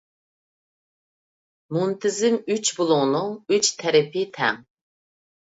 مۇنتىزىم ئۈچ بۇلۇڭنىڭ ئۈچ تەرىپى تەڭ.